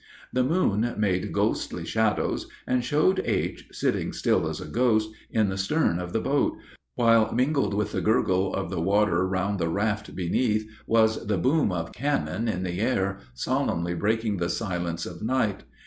The moon made ghostly shadows, and showed H., sitting still as a ghost, in the stern of the boat, while mingled with the gurgle of the water round the raft beneath was the boom of cannon in the air, solemnly breaking the silence of night.